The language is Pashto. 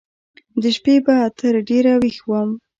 د شپې به تر ډېره ويښ و.